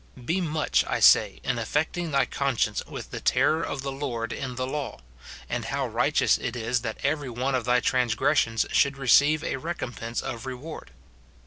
Be much, I say, in affecting thy con 248 MORTIFICATION OF science with the terror of the Lord in the haw, and how righteous it is that every one of thy transgressions should receive a recompense of reward.